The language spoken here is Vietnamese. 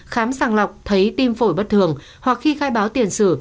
khám sàng lọc thấy tim phổi bất thường hoặc khi khai báo tiền sử